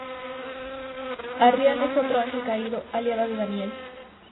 Arriane es otro ángel caído, aliada de Daniel.